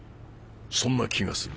そんな気がする。